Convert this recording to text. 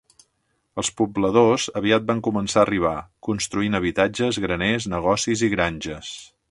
Els pobladors aviat van començar a arribar, construint habitatges, graners, negocis i granges.